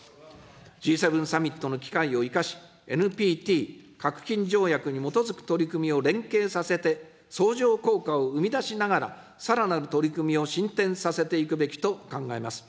Ｇ７サミットの機会を生かし、ＮＰＴ、核禁条約に基づく取り組みを連携させて、相乗効果を生み出しながらさらなる取り組みを進展させていくべきと考えます。